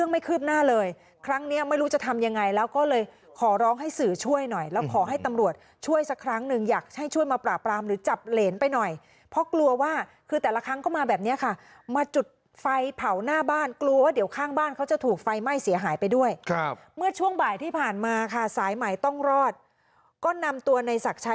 ไม่คืบหน้าเลยครั้งเนี้ยไม่รู้จะทำยังไงแล้วก็เลยขอร้องให้สื่อช่วยหน่อยแล้วขอให้ตำรวจช่วยสักครั้งหนึ่งอยากให้ช่วยมาปราบรามหรือจับเหรนไปหน่อยเพราะกลัวว่าคือแต่ละครั้งก็มาแบบเนี้ยค่ะมาจุดไฟเผาหน้าบ้านกลัวว่าเดี๋ยวข้างบ้านเขาจะถูกไฟไหม้เสียหายไปด้วยครับเมื่อช่วงบ่ายที่ผ่านมาค่ะสายใหม่ต้องรอดก็นำตัวในศักดิ์